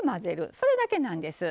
それだけなんです。